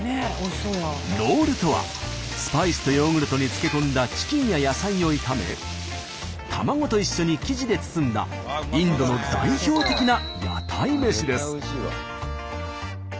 「ロール」とはスパイスとヨーグルトに漬け込んだチキンや野菜を炒め卵と一緒に生地で包んだインドの代表的な屋台飯です。